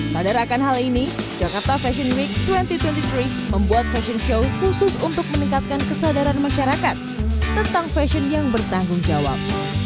sadar akan hal ini jakarta fashion week dua ribu dua puluh tiga membuat fashion show khusus untuk meningkatkan kesadaran masyarakat tentang fashion yang bertanggung jawab